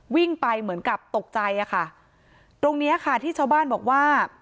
วิ่งไปเหมือนกับตกใจอะค่ะตรงเนี้ยค่ะที่ชาวบ้านบอกว่า